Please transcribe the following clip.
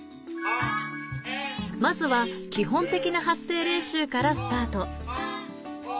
まずは基本的な発声練習からスタート